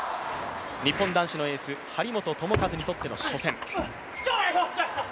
日本男子のエース張本智和にとっての初戦。